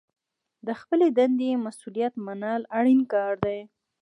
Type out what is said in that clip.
د خپلې دندې مسوولیت منل اړین کار دی.